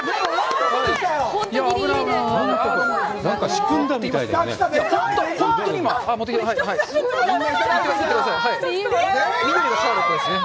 仕組んだみたいだよね。